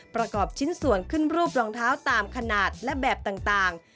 ประกอบชิ้นส่วนขึ้นรูปรองเท้าตามขนาดและแบบต่าง